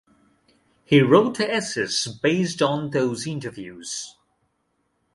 He wrote essays based on those interviews.